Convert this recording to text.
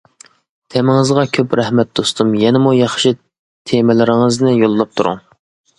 تېمىڭىزغا كۆپ رەھمەت دوستۇم، يەنىمۇ ياخشى تېمىلىرىڭىزنى يوللاپ تۇرۇڭ.